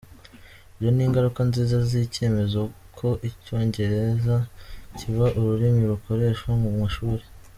Ibyo ni ingaruka nziza z’icyemezo ko Icyongereza kiba ururimi rukoreshwa mu mashuri.